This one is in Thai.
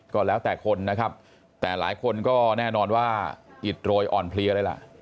ก็แล้วแต่คนนะครับแต่หลายคนก็แน่นอนว่าอิดโรยอ่อนเพลียเลยล่ะ